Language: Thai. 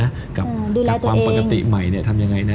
ดูแลตัวเองกับความปกติใหม่เนี่ยทำยังไงนะ